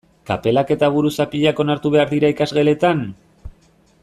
Kapelak eta buruzapiak onartu behar dira ikasgeletan?